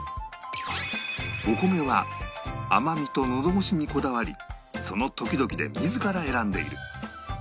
お米は甘みとのど越しにこだわりその時々で自ら選んでいる